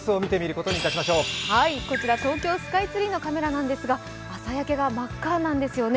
こちら東京スカイツリーのカメラなんですが朝焼けが真っ赤なんですよね。